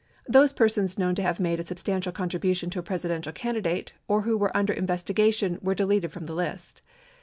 Those per sons known to have made a substantial contribution to a Presidential candidate or who were under investigation were deleted from the list.